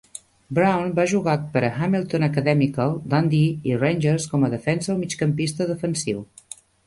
Brown va jugar per a Hamilton Academical, Dundee i Rangers com a defensa o migcampista defensiu.